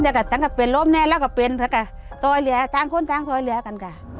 ทั้งแต่ก็เป็นล้มเนี่ยแล้วก็เป็นทั้งคนทั้งซอยเรียกันก่อนก่อนก่อน